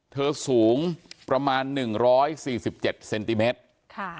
สูงประมาณหนึ่งร้อยสี่สิบเจ็ดเซนติเมตรค่ะ